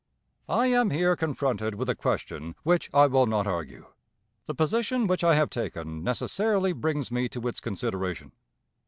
I am here confronted with a question which I will not argue. The position which I have taken necessarily brings me to its consideration.